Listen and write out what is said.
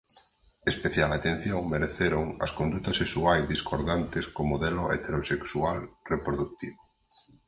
Especial atención mereceron as condutas sexuais discordantes co modelo heterosexual reprodutivo.